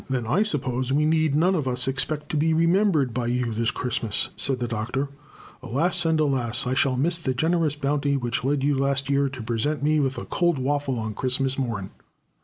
"Then I suppose we need none of us expect to be remembered by you this Christmas," said the Doctor. "Alas, and alas! I shall miss the generous bounty which led you last year to present me with a cold waffle on Christmas morn."